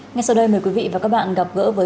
ngay sau đây mời quý vị và các bạn gặp gỡ với